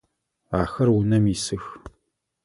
Ахэр унэм исых.